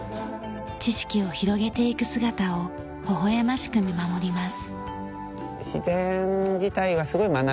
知識を広げていく姿をほほ笑ましく見守ります。